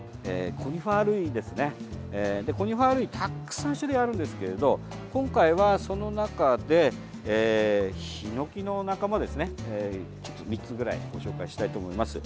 コニファー類たくさん種類あるんですけど今回はその中でヒノキの仲間ですね、３つぐらいご紹介したいと思います。